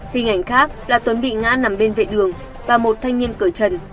hình ảnh khác là tuấn bị ngã nằm bên vệ đường và một thanh niên cửa trần